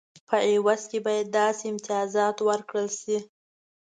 په عوض کې باید داسې امتیازات ورکړل شي.